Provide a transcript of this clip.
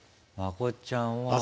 まこっちゃんは。